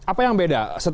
apa yang beda